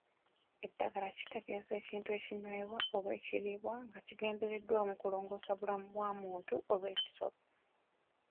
Eddagala kitegeeza ekintu ekinywebwa oba ekiriibwa nga kigendereddwamu kulongoosa bulamu bw'omuntu oba ekisolo.